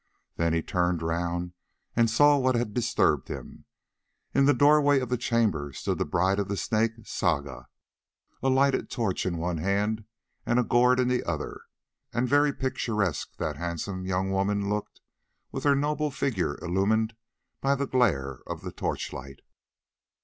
Then he turned round and saw what had disturbed him. In the doorway of the chamber stood the bride of the Snake, Saga, a lighted torch in one hand and a gourd in the other, and very picturesque that handsome young woman looked with her noble figure illumined by the glare of the torchlight.